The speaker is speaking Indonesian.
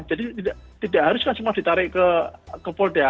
jadi tidak harus kan cuma ditarik ke polda